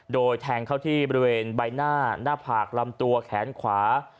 โดยแทงเข้าที่บริเวณใบหน้าหน้าผากลำตัวแขนขวา